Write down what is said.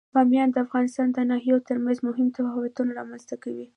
بامیان د افغانستان د ناحیو ترمنځ مهم تفاوتونه رامنځ ته کوي.